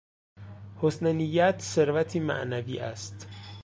حسن نیت ثروتی معنوی است.